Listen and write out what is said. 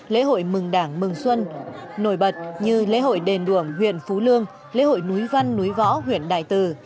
lễ hội mừng đảng mừng xuân nổi bật như lễ hội đền bùag huyện phú lương lễ hội núi văn núi võ huyện đại từ